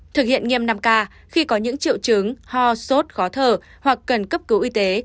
thực hiện nghiêm năm k khi có những triệu chứng ho sốt khó thở hoặc cần cấp cứu y tế